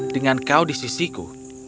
dengan kau di sisiku